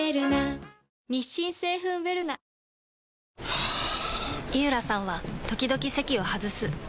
はぁ井浦さんは時々席を外すはぁ。